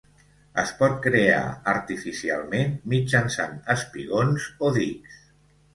Es pot crear artificialment mitjançant espigons o dics.